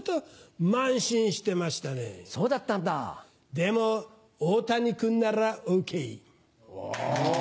でも大谷君ならＯＫ。